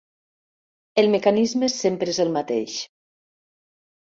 El mecanisme sempre és el mateix.